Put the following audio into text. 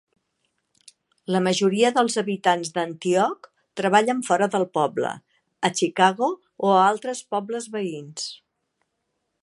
La majoria dels habitants d'Antioch treballen fora del poble, a Chicago o a altres pobles veïns.